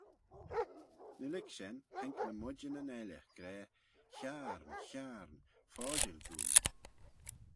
Ny lurg shen haink ny moidjynyn elley, gra, hiarn, hiarn, foshil dooin.